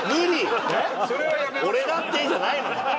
「俺だって」じゃないのよ。